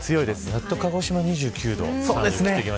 やっと鹿児島が２９度。